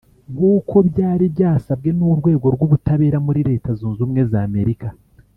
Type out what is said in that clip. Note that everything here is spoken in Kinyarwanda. nkuko byari byasabwe n’urwego rw’ubutabera muri Leta Zunze Ubumwe za Amerika